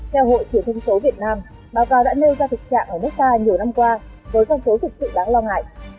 theo hội truyền thông số việt nam báo cáo đã nêu ra thực trạng ở nước ta nhiều năm qua với con số thực sự đáng lo ngại